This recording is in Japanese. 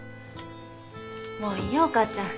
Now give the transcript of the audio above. もういいよお母ちゃん。